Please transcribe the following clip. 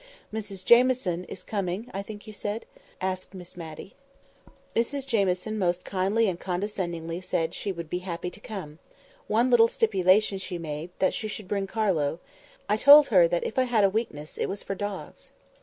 "Mrs Jamieson is coming, I think you said?" asked Miss Matty. "Yes. Mrs Jamieson most kindly and condescendingly said she would be happy to come. One little stipulation she made, that she should bring Carlo. I told her that if I had a weakness, it was for dogs."